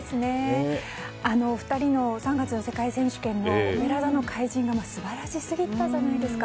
あのお二人の３月の世界選手権で「オペラ座の怪人」が素晴らしすぎたじゃないですか。